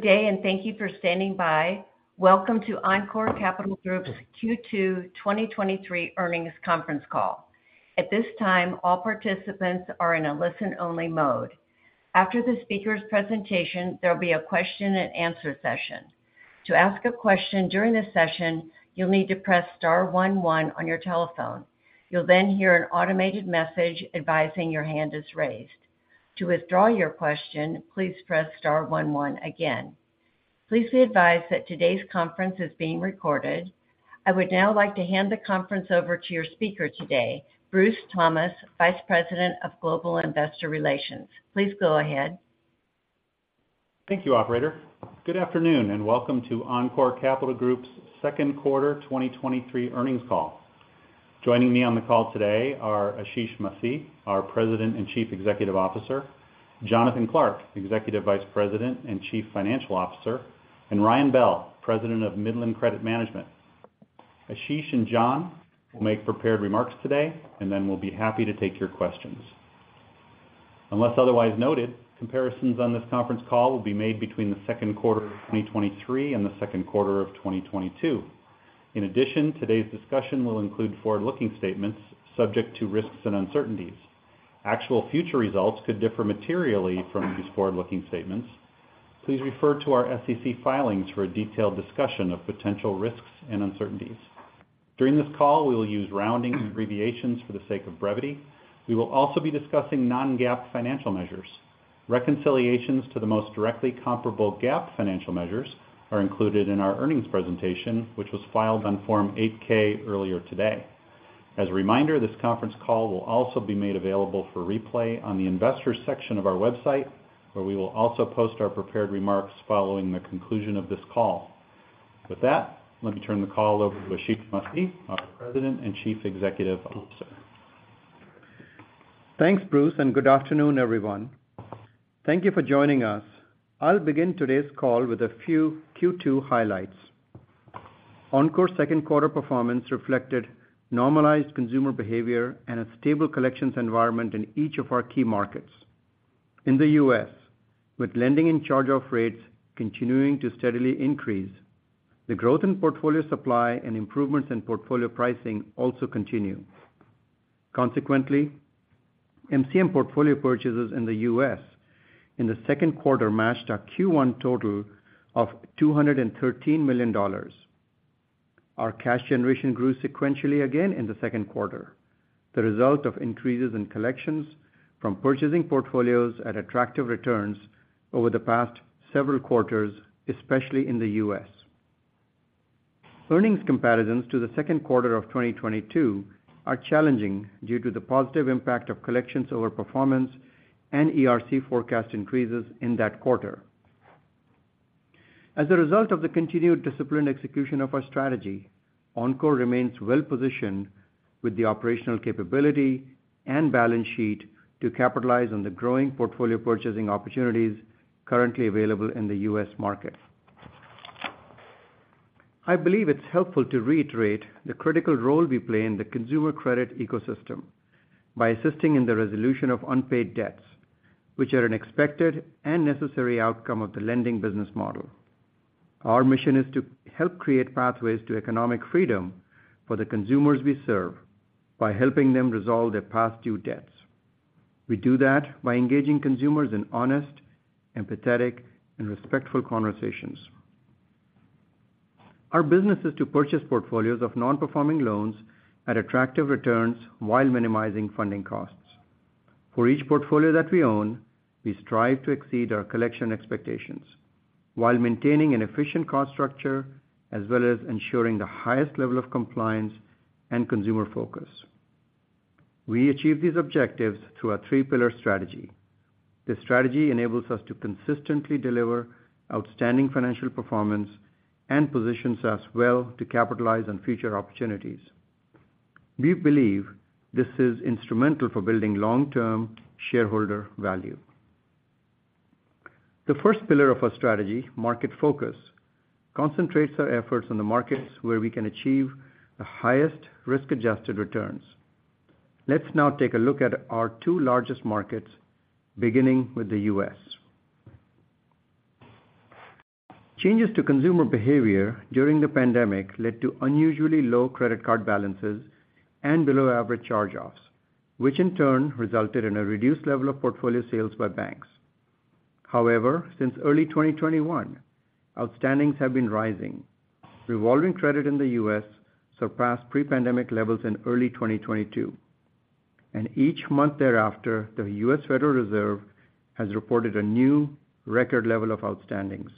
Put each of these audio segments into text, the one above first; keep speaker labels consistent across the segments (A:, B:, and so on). A: Good day, and thank you for standing by. Welcome to Encore Capital Group's Q2 2023 earnings conference call. At this time, all participants are in a listen-only mode. After the speaker's presentation, there will be a question and answer session. To ask a question during this session, you'll need to press star one one on your telephone. You'll then hear an automated message advising your hand is raised. To withdraw your question, please press star one one again. Please be advised that today's conference is being recorded. I would now like to hand the conference over to your speaker today, Bruce Thomas, Vice President of Global Investor Relations. Please go ahead.
B: Thank you, operator. Good afternoon, and welcome to Encore Capital Group's second quarter 2023 earnings call. Joining me on the call today are Ashish Masih, our President and Chief Executive Officer; Jonathan Clark, Executive Vice President and Chief Financial Officer; and Ryan Bell, President of Midland Credit Management. Ashish and John will make prepared remarks today, and then we'll be happy to take your questions. Unless otherwise noted, comparisons on this conference call will be made between the second quarter of 2023 and the second quarter of 2022. In addition, today's discussion will include forward-looking statements subject to risks and uncertainties. Actual future results could differ materially from these forward-looking statements. Please refer to our SEC filings for a detailed discussion of potential risks and uncertainties. During this call, we will use rounding and abbreviations for the sake of brevity. We will also be discussing non-GAAP financial measures. Reconciliations to the most directly comparable GAAP financial measures are included in our earnings presentation, which was filed on Form 8-K earlier today. As a reminder, this conference call will also be made available for replay on the Investors section of our website, where we will also post our prepared remarks following the conclusion of this call. With that, let me turn the call over to Ashish Masih, our President and Chief Executive Officer.
C: Thanks, Bruce, good afternoon, everyone. Thank you for joining us. I'll begin today's call with a few Q2 highlights. Encore's second quarter performance reflected normalized consumer behavior and a stable collections environment in each of our key markets. In the U.S., with lending and charge-off rates continuing to steadily increase, the growth in portfolio supply and improvements in portfolio pricing also continue. Consequently, MCM portfolio purchases in the U.S. in the second quarter matched our Q1 total of $213 million. Our cash generation grew sequentially again in the second quarter, the result of increases in collections from purchasing portfolios at attractive returns over the past several quarters, especially in the U.S. Earnings comparisons to the second quarter of 2022 are challenging due to the positive impact of collections over performance and ERC forecast increases in that quarter. As a result of the continued disciplined execution of our strategy, Encore remains well-positioned with the operational capability and balance sheet to capitalize on the growing portfolio purchasing opportunities currently available in the U.S. market. I believe it's helpful to reiterate the critical role we play in the consumer credit ecosystem by assisting in the resolution of unpaid debts, which are an expected and necessary outcome of the lending business model. Our mission is to help create pathways to economic freedom for the consumers we serve by helping them resolve their past due debts. We do that by engaging consumers in honest, empathetic, and respectful conversations. Our business is to purchase portfolios of non-performing loans at attractive returns while minimizing funding costs. For each portfolio that we own, we strive to exceed our collection expectations while maintaining an efficient cost structure, as well as ensuring the highest level of compliance and consumer focus. We achieve these objectives through our three pillar strategy. This strategy enables us to consistently deliver outstanding financial performance and positions us well to capitalize on future opportunities. We believe this is instrumental for building long-term shareholder value. The first pillar of our strategy, market focus, concentrates our efforts on the markets where we can achieve the highest risk-adjusted returns. Let's now take a look at our two largest markets, beginning with the US. Changes to consumer behavior during the pandemic led to unusually low credit card balances and below average charge-offs, which in turn resulted in a reduced level of portfolio sales by banks. However, since early 2021, outstandings have been rising. Revolving credit in the U.S. surpassed pre-pandemic levels in early 2022, and each month thereafter, the U.S. Federal Reserve System has reported a new record level of outstandings.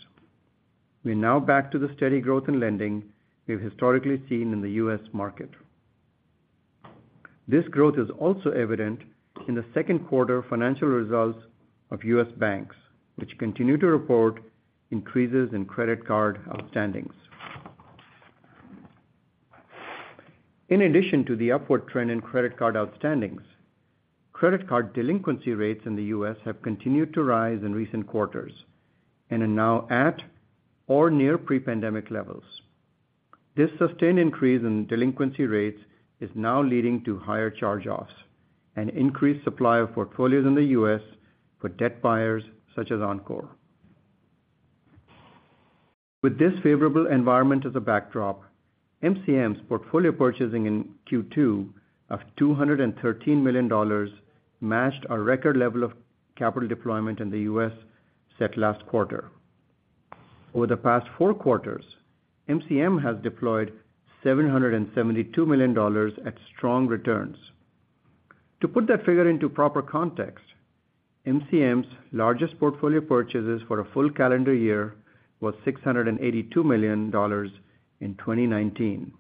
C: We're now back to the steady growth in lending we've historically seen in the U.S. market. This growth is also evident in the second quarter financial results of U.S. banks, which continue to report increases in credit card outstandings. In addition to the upward trend in credit card outstandings, credit card delinquency rates in the U.S. have continued to rise in recent quarters and are now at or near pre-pandemic levels. This sustained increase in delinquency rates is now leading to higher charge-offs and increased supply of portfolios in the U.S. for debt buyers such as Encore Capital Group. With this favorable environment as a backdrop, MCM's portfolio purchasing in Q2 of $213 million matched our record level of capital deployment in the U.S. set last quarter. Over the past four quarters, MCM has deployed $772 million at strong returns. To put that figure into proper context, MCM's largest portfolio purchases for a full calendar year was $682 million in 2019.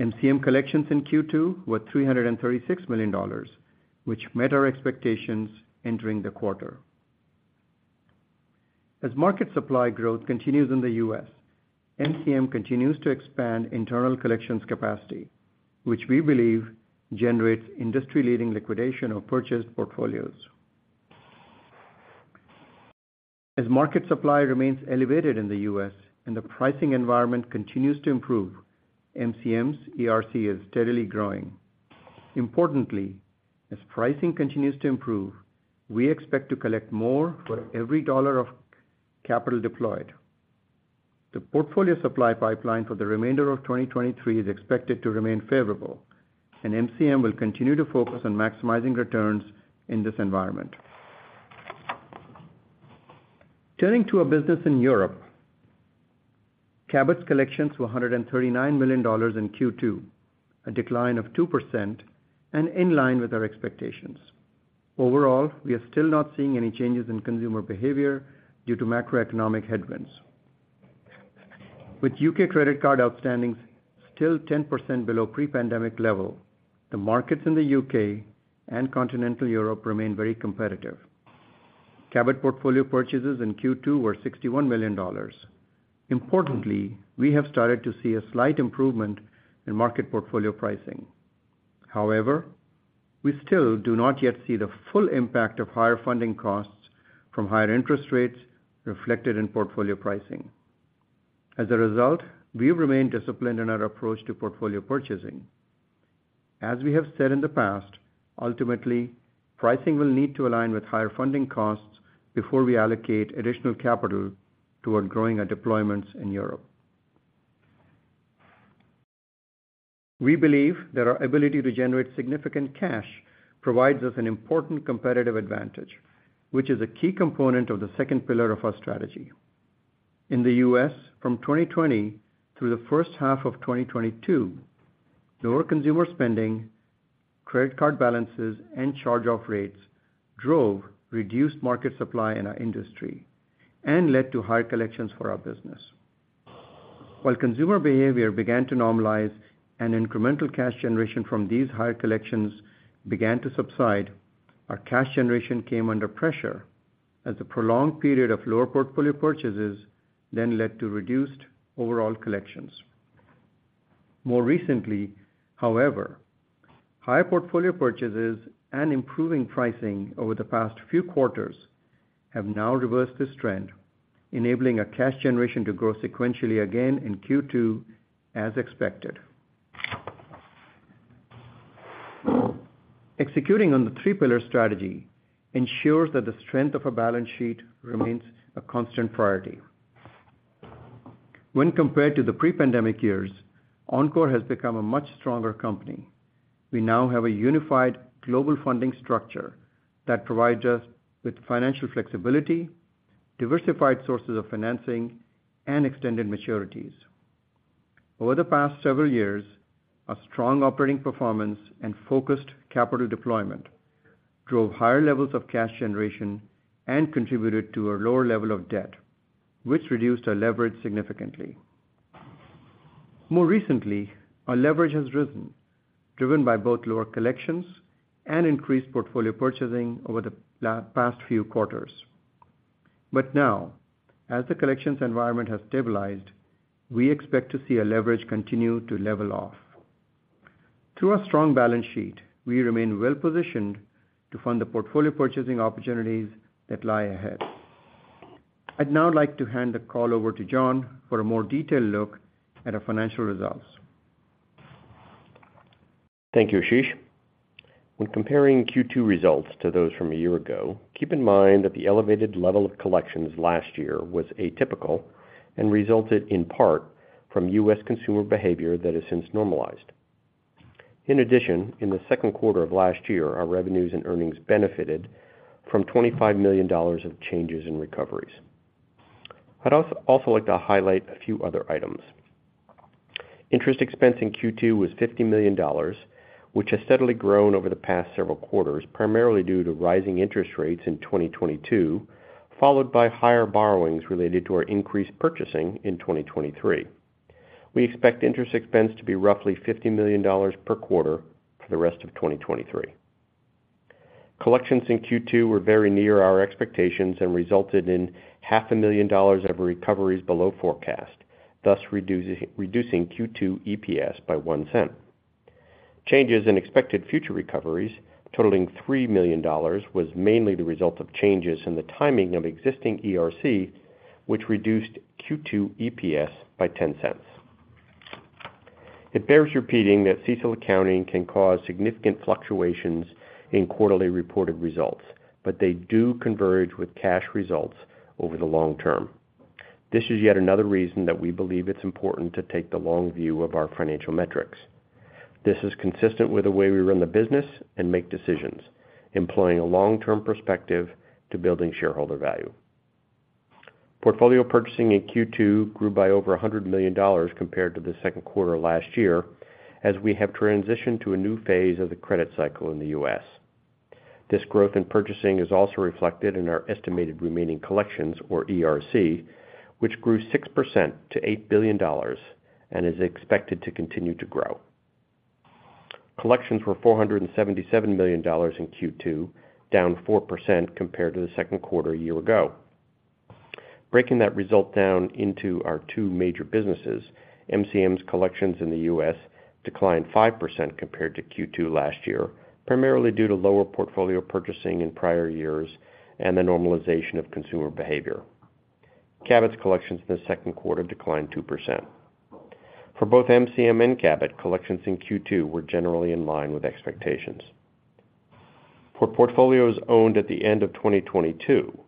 C: MCM collections in Q2 were $336 million, which met our expectations entering the quarter. As market supply growth continues in the US, MCM continues to expand internal collections capacity, which we believe generates industry-leading liquidation of purchased portfolios. As market supply remains elevated in the U.S. and the pricing environment continues to improve, MCM's ERC is steadily growing. Importantly, as pricing continues to improve, we expect to collect more for every dollar of capital deployed. The portfolio supply pipeline for the remainder of 2023 is expected to remain favorable, and MCM will continue to focus on maximizing returns in this environment. Turning to our business in Europe, Cabot's collections were $139 million in Q2, a decline of 2% and in line with our expectations. Overall, we are still not seeing any changes in consumer behavior due to macroeconomic headwinds. With U.K. credit card outstandings still 10% below pre-pandemic level, the markets in the U.K. and continental Europe remain very competitive. Cabot portfolio purchases in Q2 were $61 million. Importantly, we have started to see a slight improvement in market portfolio pricing. However, we still do not yet see the full impact of higher funding costs from higher interest rates reflected in portfolio pricing. As a result, we remain disciplined in our approach to portfolio purchasing. As we have said in the past, ultimately, pricing will need to align with higher funding costs before we allocate additional capital toward growing our deployments in Europe. We believe that our ability to generate significant cash provides us an important competitive advantage, which is a key component of the second pillar of our strategy. In the US, from 2020 through the first half of 2022, lower consumer spending, credit card balances, and charge-off rates drove reduced market supply in our industry and led to higher collections for our business. While consumer behavior began to normalize and incremental cash generation from these higher collections began to subside, our cash generation came under pressure as a prolonged period of lower portfolio purchases then led to reduced overall collections. More recently, however, higher portfolio purchases and improving pricing over the past few quarters have now reversed this trend, enabling our cash generation to grow sequentially again in Q2, as expected. Executing on the three-pillar strategy ensures that the strength of our balance sheet remains a constant priority. When compared to the pre-pandemic years, Encore has become a much stronger company. We now have a unified global funding structure that provides us with financial flexibility, diversified sources of financing, and extended maturities. Over the past several years, our strong operating performance and focused capital deployment drove higher levels of cash generation and contributed to a lower level of debt, which reduced our leverage significantly. More recently, our leverage has risen, driven by both lower collections and increased portfolio purchasing over the past few quarters. Now, as the collections environment has stabilized, we expect to see our leverage continue to level off. Through our strong balance sheet, we remain well-positioned to fund the portfolio purchasing opportunities that lie ahead. I'd now like to hand the call over to John for a more detailed look at our financial results.
D: Thank you, Ashish. When comparing Q2 results to those from a year ago, keep in mind that the elevated level of collections last year was atypical and resulted in part from U.S. consumer behavior that has since normalized. In addition, in the second quarter of last year, our revenues and earnings benefited from $25 million of changes in recoveries. I'd also like to highlight a few other items. Interest expense in Q2 was $50 million, which has steadily grown over the past several quarters, primarily due to rising interest rates in 2022, followed by higher borrowings related to our increased purchasing in 2023. We expect interest expense to be roughly $50 million per quarter for the rest of 2023. Collections in Q2 were very near our expectations and resulted in $500,000 of recoveries below forecast, thus reducing Q2 EPS by $0.01. Changes in expected future recoveries, totaling $3 million, was mainly the result of changes in the timing of existing ERC, which reduced Q2 EPS by $0.10. It bears repeating that CECL accounting can cause significant fluctuations in quarterly reported results, but they do converge with cash results over the long term. This is yet another reason that we believe it's important to take the long view of our financial metrics. This is consistent with the way we run the business and make decisions, employing a long-term perspective to building shareholder value. Portfolio purchasing in Q2 grew by over $100 million compared to the second quarter of last year, as we have transitioned to a new phase of the credit cycle in the US. This growth in purchasing is also reflected in our estimated remaining collections, or ERC, which grew 6% to $8 billion and is expected to continue to grow. Collections were $477 million in Q2, down 4% compared to the second quarter a year ago. Breaking that result down into our two major businesses, MCM's collections in the U.S. declined 5% compared to Q2 last year, primarily due to lower portfolio purchasing in prior years and the normalization of consumer behavior. Cabot's collections in the second quarter declined 2%. For both MCM and Cabot, collections in Q2 were generally in line with expectations. For portfolios owned at the end of 2022,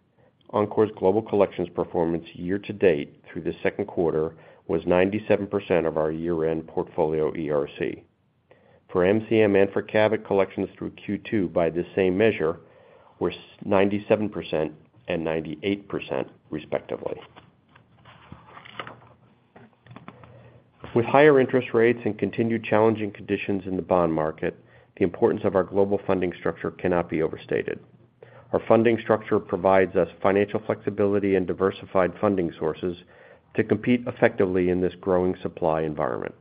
D: Encore's global collections performance year to date through Q2 was 97% of our year-end portfolio ERC. For MCM and for Cabot, collections through Q2 by this same measure were 97% and 98%, respectively. With higher interest rates and continued challenging conditions in the bond market, the importance of our global funding structure cannot be overstated. Our funding structure provides us financial flexibility and diversified funding sources to compete effectively in this growing supply environment.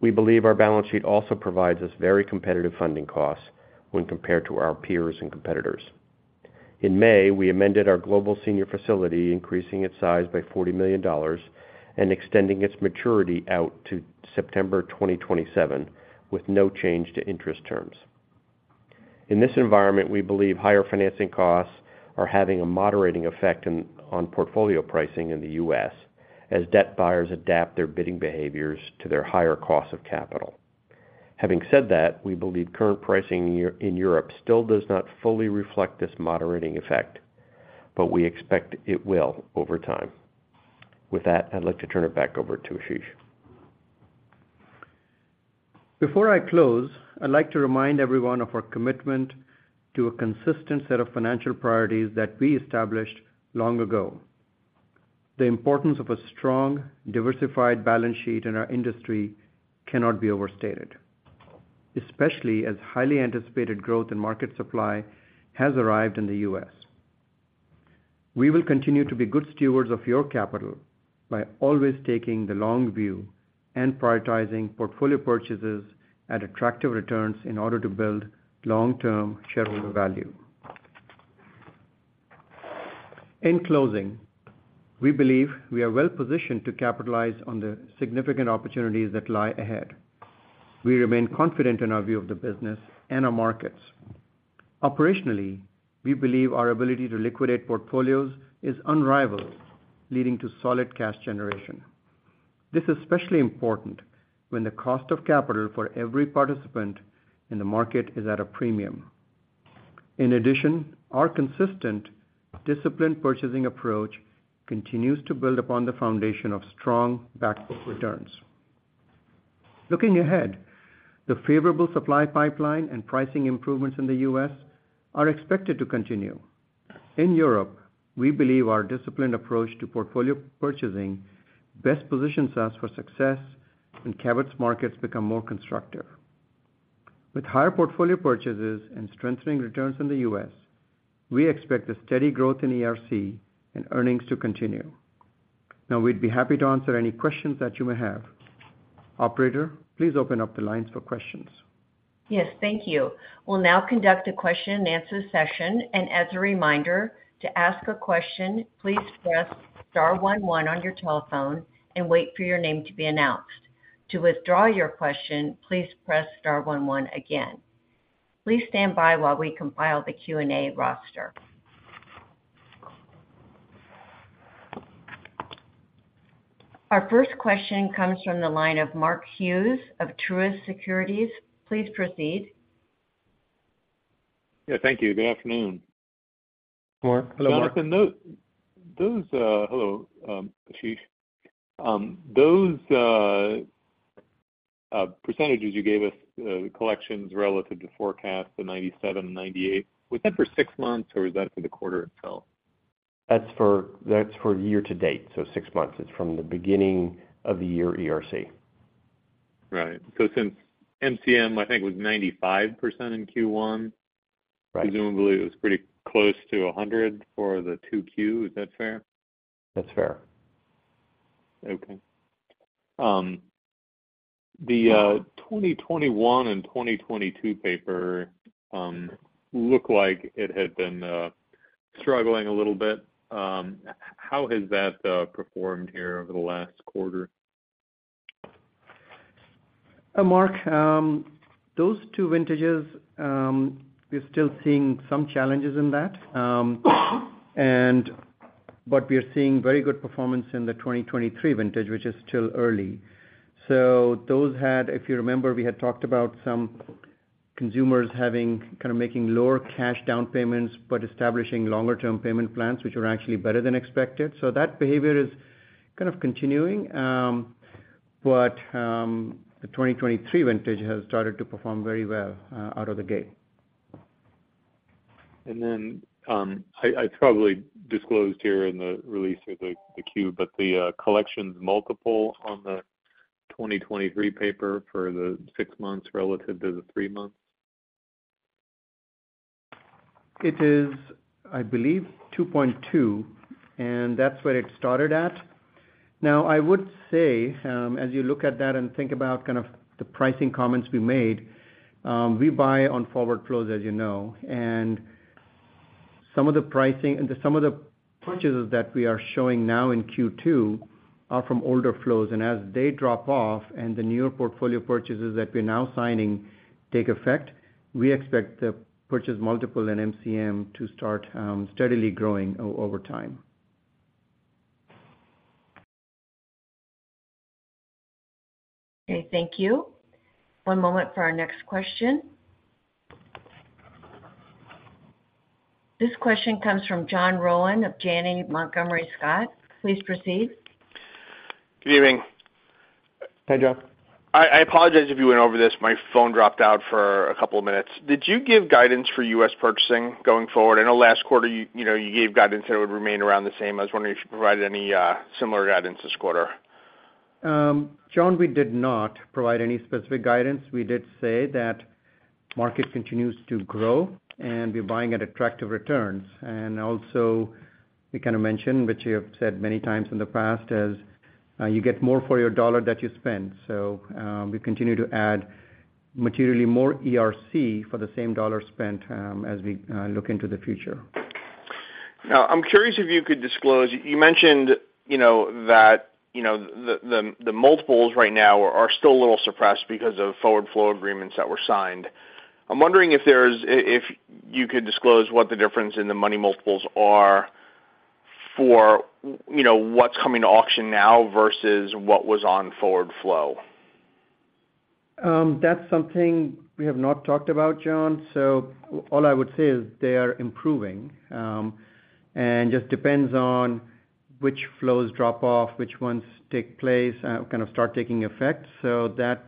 D: We believe our balance sheet also provides us very competitive funding costs when compared to our peers and competitors. In May, we amended our Global Senior Facility, increasing its size by $40 million and extending its maturity out to September 2027, with no change to interest terms. In this environment, we believe higher financing costs are having a moderating effect on portfolio pricing in the U.S. as debt buyers adapt their bidding behaviors to their higher costs of capital. Having said that, we believe current pricing in Europe still does not fully reflect this moderating effect, but we expect it will over time. With that, I'd like to turn it back over to Ashish.
C: Before I close, I'd like to remind everyone of our commitment to a consistent set of financial priorities that we established long ago. The importance of a strong, diversified balance sheet in our industry cannot be overstated, especially as highly anticipated growth in market supply has arrived in the US. We will continue to be good stewards of your capital by always taking the long view and prioritizing portfolio purchases at attractive returns in order to build long-term shareholder value. In closing, we believe we are well positioned to capitalize on the significant opportunities that lie ahead. We remain confident in our view of the business and our markets. Operationally, we believe our ability to liquidate portfolios is unrivaled, leading to solid cash generation. This is especially important when the cost of capital for every participant in the market is at a premium. In addition, our consistent, disciplined purchasing approach continues to build upon the foundation of strong back book returns. Looking ahead, the favorable supply pipeline and pricing improvements in the U.S. are expected to continue. In Europe, we believe our disciplined approach to portfolio purchasing best positions us for success when Cabot's markets become more constructive. With higher portfolio purchases and strengthening returns in the US, we expect a steady growth in ERC and earnings to continue. Now, we'd be happy to answer any questions that you may have. Operator, please open up the lines for questions.
A: Yes, thank you. We'll now conduct a question and answer session. As a reminder, to ask a question, please press star one one on your telephone and wait for your name to be announced. To withdraw your question, please press star one one again. Please stand by while we compile the Q&A roster. Our first question comes from the line of Mark Hughes of Truist Securities. Please proceed.
E: Yeah, thank you. Good afternoon.
C: Mark. Hello, Mark.
E: Jonathan, hello Ashish. Those percentages you gave us, the collections relative to forecast, the 97 and 98, was that for six months, or was that for the quarter itself?
D: That's for year to date, so six months. It's from the beginning of the year ERC.
E: Right. Since MCM, I think, was 95% in Q1-
D: Right.
E: presumably it was pretty close to 100 for the 2Q. Is that fair?
D: That's fair.
E: Okay. The 2021 and 2022 paper looked like it had been struggling a little bit. How has that performed here over the last quarter?
C: Mark, those two vintages, we're still seeing some challenges in that. But we are seeing very good performance in the 2023 vintage, which is still early. Those had-- if you remember, we had talked about some consumers having making lower cash down payments, but establishing longer-term payment plans, which are actually better than expected. That behavior is continuing. But the 2023 vintage has started to perform very well out of the gate.
E: It's probably disclosed here in the release of the, the queue, but the collections multiple on the 2023 paper for the six months relative to the three months?
C: It is, I believe, 2.2, and that's what it started at. Now, I would say, as you look at that and think about kind of the pricing comments we made, we buy on forward flows, as you know. Some of the pricing, and some of the purchases that we are showing now in Q2 are from older flows. As they drop off and the newer portfolio purchases that we're now signing take effect, we expect the purchase multiple and MCM to start steadily growing over time.
A: Okay, thank you. One moment for our next question. This question comes from John Rowan of Janney Montgomery Scott. Please proceed.
F: Good evening.
C: Hi, John.
F: I, I apologize if you went over this. My phone dropped out for a couple of minutes. Did you give guidance for U.S. purchasing going forward? I know last quarter, you, you know, you gave guidance that it would remain around the same. I was wondering if you provided any similar guidance this quarter.
C: John, we did not provide any specific guidance. We did say that market continues to grow, we're buying at attractive returns. Also, we kind of mentioned, which you have said many times in the past, as you get more for your dollar that you spend. We continue to add materially more ERC for the same dollar spent, as we look into the future.
F: Now, I'm curious if you could disclose... You mentioned, you know, that, you know, the multiples right now are still a little suppressed because of forward flow agreements that were signed. I'm wondering if you could disclose what the difference in the money multiples are for, you know, what's coming to auction now versus what was on forward flow.
C: That's something we have not talked about, John. All I would say is they are improving. Just depends on which flows drop off, which ones take place, kind of start taking effect. The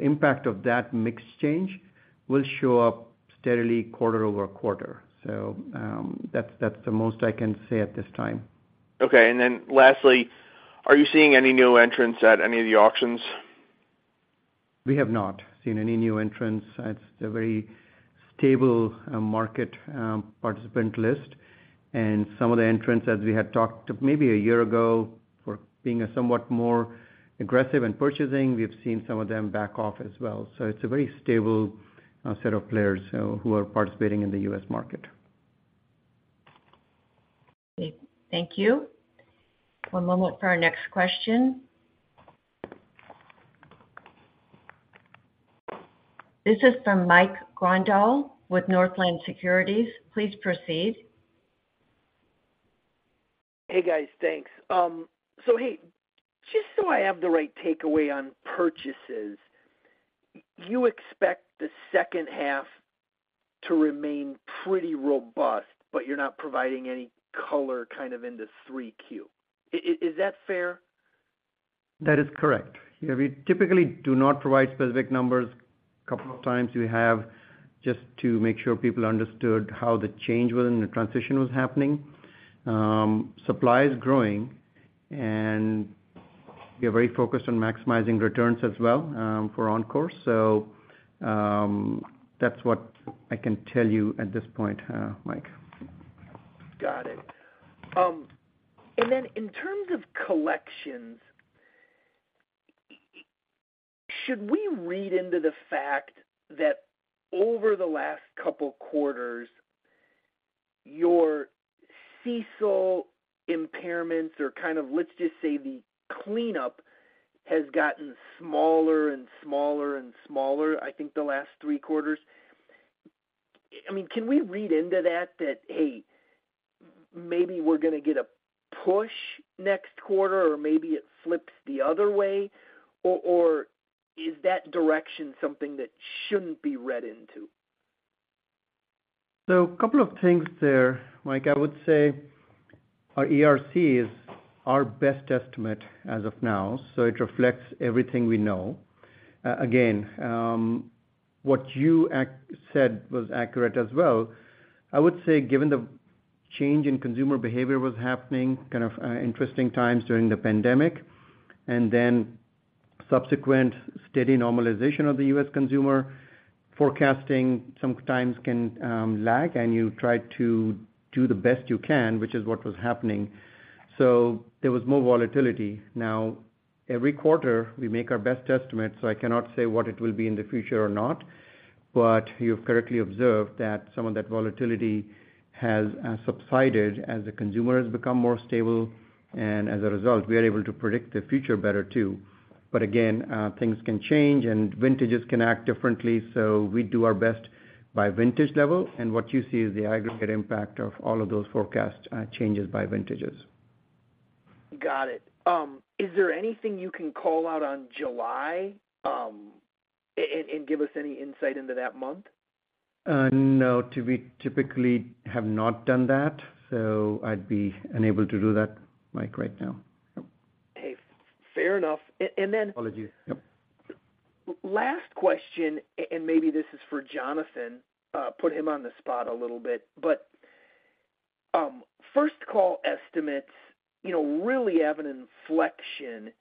C: impact of that mix change will show up steadily quarter-over-quarter. That's, that's the most I can say at this time.
F: Okay. Then lastly, are you seeing any new entrants at any of the auctions?
C: We have not seen any new entrants. It's a very stable market participant list. Some of the entrants, as we had talked maybe a year ago, for being a somewhat more aggressive in purchasing, we've seen some of them back off as well. It's a very stable set of players who are participating in the U.S. market.
A: Okay, thank you. One moment for our next question. This is from Mike Grondahl with Northland Securities. Please proceed.
G: Hey, guys. Thanks. Hey, just so I have the right takeaway on purchases, y- you expect the second half to remain pretty robust, but you're not providing any color kind of into 3Q. I- i- is that fair?
C: That is correct. Yeah, we typically do not provide specific numbers. A couple of times we have, just to make sure people understood how the change within the transition was happening. Supply is growing, and we are very focused on maximizing returns as well, for Encore. That's what I can tell you at this point, Mike.
G: Got it. Then in terms of collections, should we read into the fact that over the last couple quarters, your CECL impairments, or kind of, let's just say, the cleanup, has gotten smaller and smaller and smaller, I think, the last three quarters? I mean, can we read into that, that, hey, maybe we're gonna get a push next quarter, or maybe it flips the other way, or, or is that direction something that shouldn't be read into?
C: A couple of things there, Mike. I would say our ERC is our best estimate as of now, so it reflects everything we know. Again, what you said was accurate as well. I would say, given the change in consumer behavior was happening, kind of, interesting times during the pandemic, and then subsequent steady normalization of the U.S. consumer, forecasting sometimes can lag, and you try to do the best you can, which is what was happening. There was more volatility. Every quarter, we make our best estimate, so I cannot say what it will be in the future or not. You've correctly observed that some of that volatility has subsided as the consumer has become more stable, and as a result, we are able to predict the future better, too. Again, things can change and vintages can act differently, so we do our best by vintage level, and what you see is the aggregate impact of all of those forecast, changes by vintages.
G: Got it. Is there anything you can call out on July, and give us any insight into that month?
C: No, we typically have not done that, so I'd be unable to do that, Mike, right now.
G: Hey, fair enough.
C: Apologies. Yep.
G: last question, and maybe this is for Jonathan, put him on the spot a little bit. First call estimates, you know, really have an inflection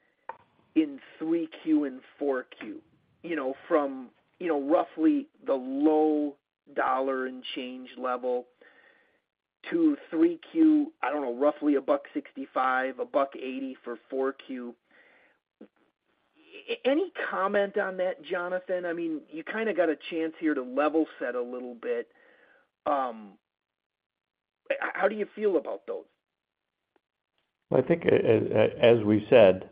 G: in 3Q and 4Q, you know, from, you, know, roughly the low dollar and change level to 3Q, I don't know, roughly $1.65, $1.80 for 4Q. Any comment on that, Jonathan? I mean, you kind of got a chance here to level set a little bit. How do you feel about those?
D: Well, I think as we said,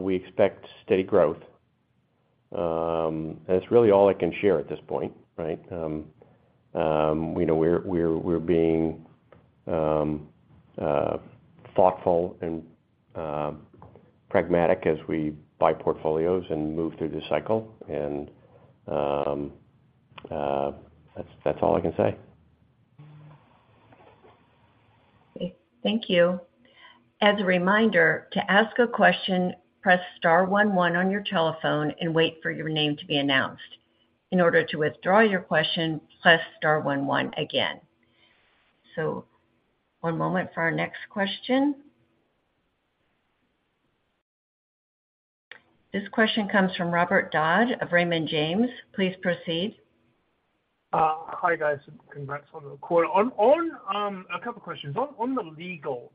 D: we expect steady growth. That's really all I can share at this point, right? We know we're, we're, we're being thoughtful and pragmatic as we buy portfolios and move through the cycle. That's, that's all I can say.
A: Thank you. As a reminder, to ask a question, press star one one on your telephone and wait for your name to be announced. In order to withdraw your question, press star one one again. One moment for our next question. This question comes from Robert Dodd of Raymond James. Please proceed.
H: Hi, guys. Congrats on the call. On, on a couple questions. On, on the legal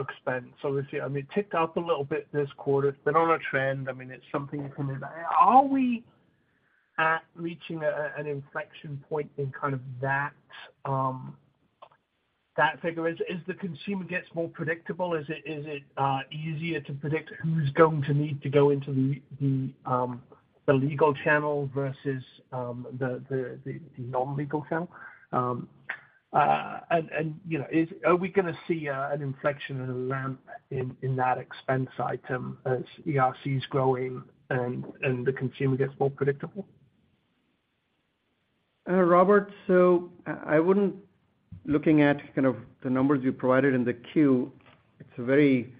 H: expense, so let's see, I mean, ticked up a little bit this quarter. It's been on a trend. I mean, it's something you can... Are we at reaching an inflection point in kind of that, that figure? As, as the consumer gets more predictable, is it, is it easier to predict who's going to need to go into the, the, the legal channel versus, the, the, the, the non-legal channel? You know, are we gonna see an inflection and a ramp in, in that expense item as ERC is growing and, and the consumer gets more predictable?
C: Robert, I wouldn't Looking at kind of the numbers you provided in the Q, it's a very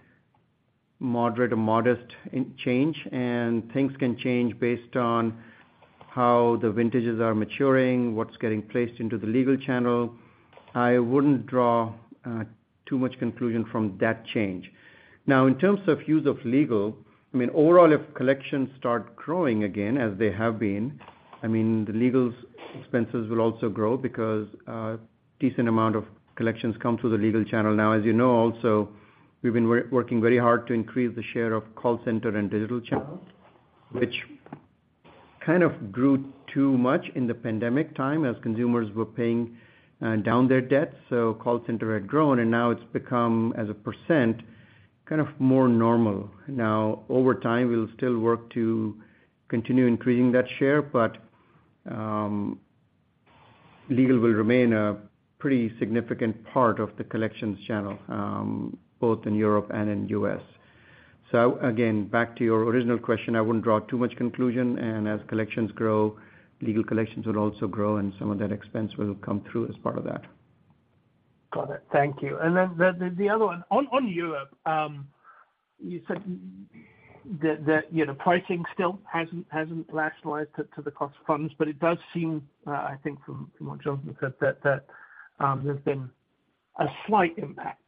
C: moderate or modest in change, and things can change based on how the vintages are maturing, what's getting placed into the legal channel. I wouldn't draw too much conclusion from that change. Now, in terms of use of legal, I mean, overall, if collections start growing again, as they have been, I mean, the legal expenses will also grow because decent amount of collections come through the legal channel. Now, as you know, also, we've been working very hard to increase the share of call center and digital channels, which kind of grew too much in the pandemic time as consumers were paying down their debts. Call center had grown, and now it's become, as a percent, kind of more normal. Over time, we'll still work to continue increasing that share, but legal will remain a pretty significant part of the collections channel, both in Europe and in U.S. Again, back to your original question, I wouldn't draw too much conclusion, and as collections grow, legal collections will also grow, and some of that expense will come through as part of that.
H: Got it. Thank you. Then the other one, on Europe, you said that, you know, pricing still hasn't lashline to the cost of funds, but it does seem, I think from what Jonathan said, that there's been a slight impact.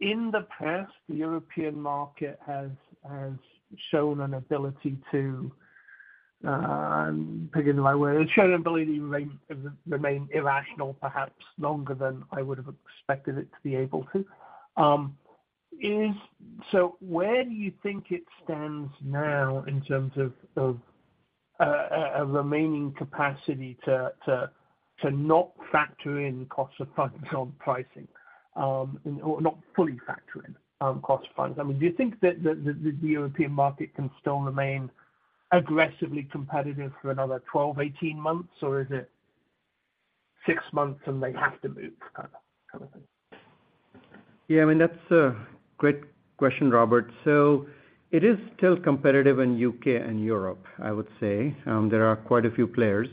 H: In the past, the European market has shown an ability to pick it the right way. It's shown an ability to remain irrational, perhaps longer than I would've expected it to be able to. So where do you think it stands now in terms of a remaining capacity to not factor in cost of funds on pricing, or not fully factor in cost of funds? I mean, do you think that, that, the, the European market can still remain aggressively competitive for another 12, 18 months, or is it 6 months and they have to move, kind of, kind of thing?
C: Yeah, I mean, that's a great question, Robert. It is still competitive in U.K. and Europe, I would say. There are quite a few players.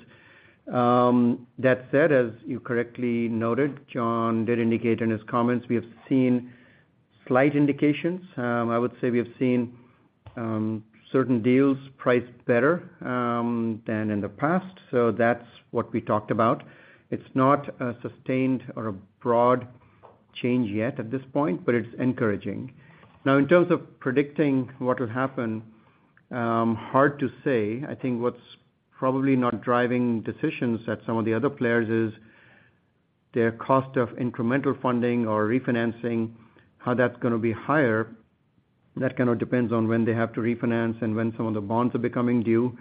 C: That said, as you correctly noted, John did indicate in his comments, we have seen slight indications. I would say we have seen, certain deals priced better, than in the past. That's what we talked about. It's not a sustained or a broad change yet at this point, but it's encouraging. In terms of predicting what will happen, hard to say. I think what's probably not driving decisions at some of the other players is-... their cost of incremental funding or refinancing, how that's gonna be higher, that kind of depends on when they have to refinance and when some of the bonds are becoming due.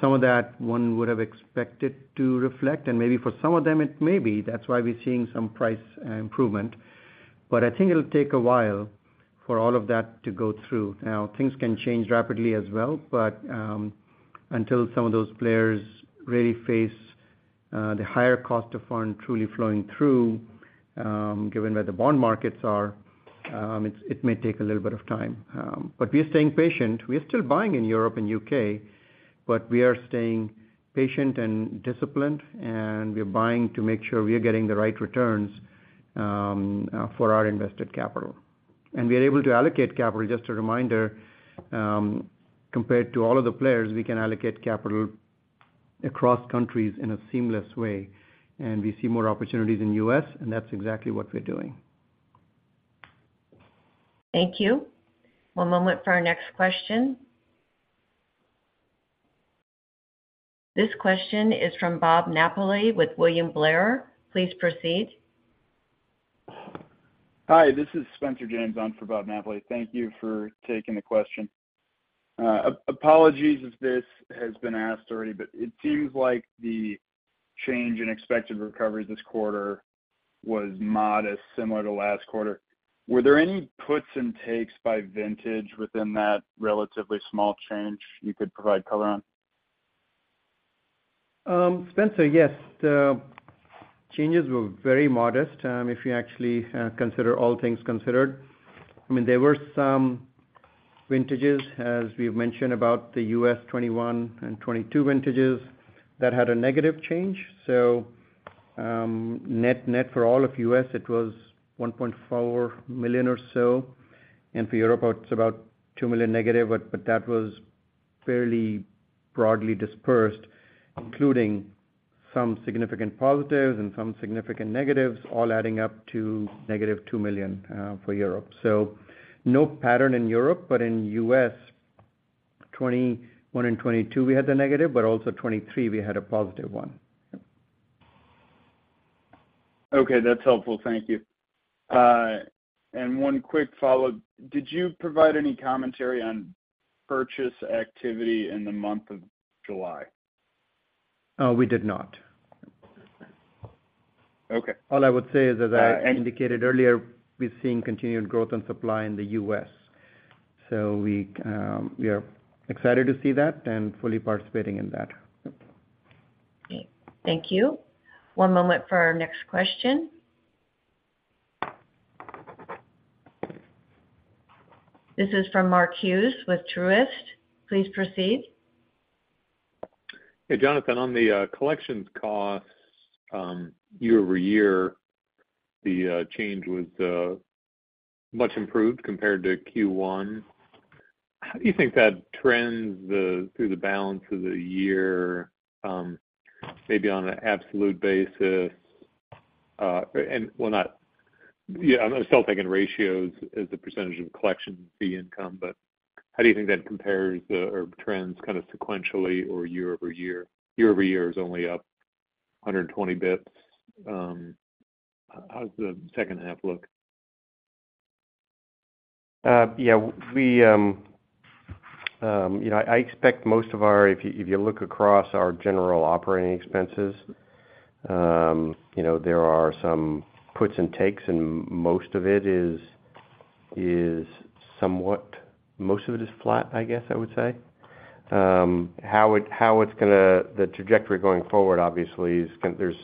C: Some of that, one would have expected to reflect, and maybe for some of them, it may be. That's why we're seeing some price improvement. I think it'll take a while for all of that to go through. Now, things can change rapidly as well, but until some of those players really face the higher cost of fund truly flowing through, given where the bond markets are, it may take a little bit of time. But we are staying patient. We are still buying in Europe and U.K., but we are staying patient and disciplined, and we're buying to make sure we are getting the right returns for our invested capital. We are able to allocate capital. Just a reminder, compared to all of the players, we can allocate capital across countries in a seamless way. We see more opportunities in U.S. That's exactly what we're doing.
A: Thank you. One moment for our next question. This question is from Bob Napoli with William Blair. Please proceed.
I: Hi, this is Spencer James on for Bob Napoli. Thank you for taking the question. Apologies if this has been asked already, but it seems like the change in expected recovery this quarter was modest, similar to last quarter. Were there any puts and takes by vintage within that relatively small change you could provide color on?
C: Spencer, yes. The changes were very modest, if you actually consider all things considered. I mean, there were some vintages, as we've mentioned, about the U.S. 2021 and 2022 vintages, that had a negative change. Net, net for all of US, it was $1.4 million or so, and for Europe, it's about $2 million negative, but that was fairly broadly dispersed, including some significant positives and some significant negatives, all adding up to negative $2 million for Europe. No pattern in Europe, in US, 2021 and 2022 we had the negative, but also 2023 we had a positive $1 million.
I: Okay, that's helpful. Thank you. One quick follow-up: Did you provide any commentary on purchase activity in the month of July?
C: We did not.
I: Okay.
C: All I would say is, as I indicated earlier, we're seeing continued growth on supply in the US. We are excited to see that and fully participating in that.
A: Great. Thank you. One moment for our next question. This is from Mark Hughes with Truist. Please proceed.
E: Hey, Jonathan. On the collections costs, year-over-year, the change was much improved compared to Q1. How do you think that trends through the balance of the year, maybe on an absolute basis? And, well, not-- yeah, I'm still thinking ratios as a percentage of collection fee income, but how do you think that compares, or trends kind of sequentially or year-over-year? Year-over-year is only up 120 bits. How's the second half look?
D: Yeah, we, you know, I expect if you, if you look across our general operating expenses, you know, there are some puts and takes, and most of it is, is somewhat, most of it is flat, I guess, I would say. The trajectory going forward, obviously, there's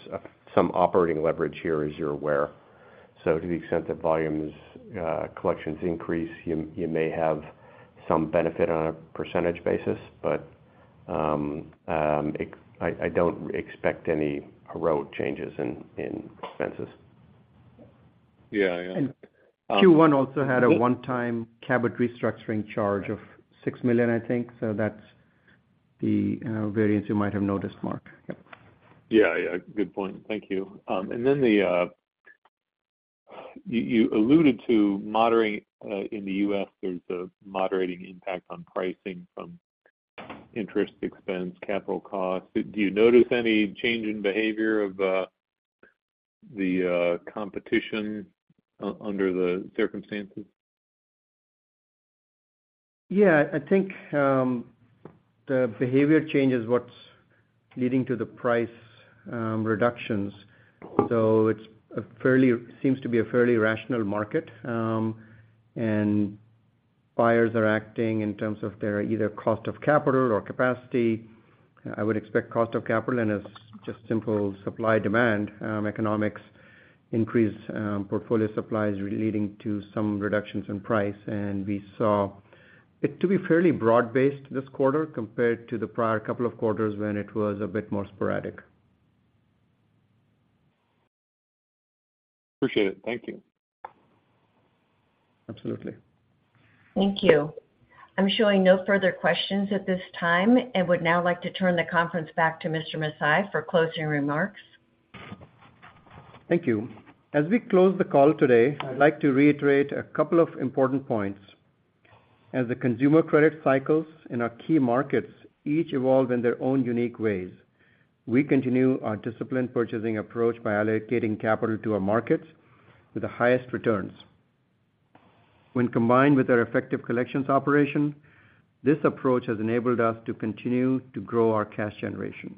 D: some operating leverage here, as you're aware. To the extent that volumes, collections increase, you, you may have some benefit on a percentage basis, but I, I don't expect any heroic changes in, in expenses.
E: Yeah, yeah.
C: Q1 also had a one-time Cabot restructuring charge of $6 million, I think. That's the variance you might have noticed, Mark. Yep.
E: Yeah, yeah. Good point. Thank you. Then the, you, you alluded to moderate, in the US, there's a moderating impact on pricing from interest expense, capital costs. Do you notice any change in behavior of the competition under the circumstances?
C: Yeah. I think, the behavior change is what's leading to the price reductions. It's a fairly. Seems to be a fairly rational market, and buyers are acting in terms of their either cost of capital or capacity. I would expect cost of capital, and it's just simple supply, demand, economics, increase, portfolio supplies leading to some reductions in price. We saw it to be fairly broad-based this quarter compared to the prior couple of quarters when it was a bit more sporadic.
E: Appreciate it. Thank you.
C: Absolutely.
A: Thank you. I'm showing no further questions at this time and would now like to turn the conference back to Mr. Masih for closing remarks.
C: Thank you. As we close the call today, I'd like to reiterate a couple of important points. As the consumer credit cycles in our key markets each evolve in their own unique ways, we continue our disciplined purchasing approach by allocating capital to our markets with the highest returns. When combined with our effective collections operation, this approach has enabled us to continue to grow our cash generation.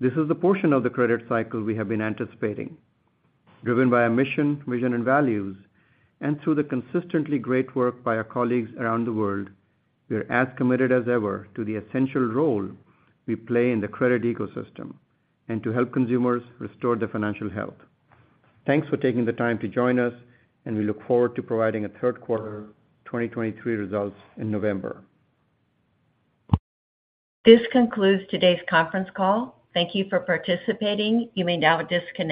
C: This is the portion of the credit cycle we have been anticipating, driven by our mission, vision, and values, and through the consistently great work by our colleagues around the world, we are as committed as ever to the essential role we play in the credit ecosystem, and to help consumers restore their financial health. Thanks for taking the time to join us. We look forward to providing a third quarter 2023 results in November.
A: This concludes today's conference call. Thank you for participating. You may now disconnect.